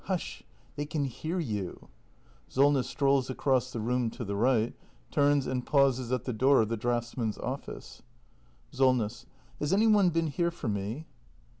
] Hush — they can hear you ! [Solness strolls across the room to the right, turns and pauses at the door of the draughtsmen's office. Solness. Has any one been here for me